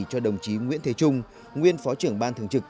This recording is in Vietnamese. cho đồng chí nguyễn thế trung nguyên phó trưởng ban thường trực